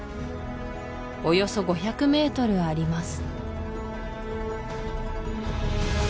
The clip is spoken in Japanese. およそ５００ｍあります